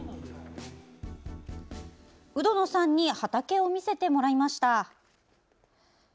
鵜殿さんに畑を見せてもらいました。